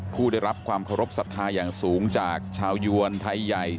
คู่ได้รับความเคารพสัตว์ภาคายังสูงจากชาวยวันไทยใหญ่ชาวลาว